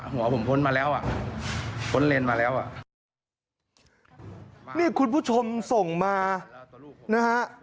หัวผมพ้นมาแล้วอ่ะพ้นเลนมาแล้วอ่ะนี่คุณผู้ชมส่งมานะฮะ